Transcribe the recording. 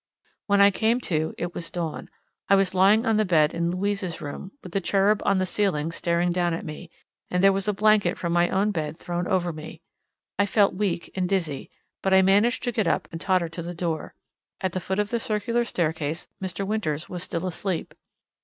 When I came to it was dawn. I was lying on the bed in Louise's room, with the cherub on the ceiling staring down at me, and there was a blanket from my own bed thrown over me. I felt weak and dizzy, but I managed to get up and totter to the door. At the foot of the circular staircase Mr. Winters was still asleep.